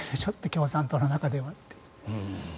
共産党の中では。